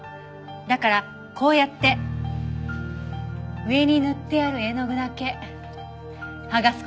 だからこうやって上に塗ってある絵の具だけ剥がす事ができるのね。